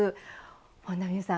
本田望結さん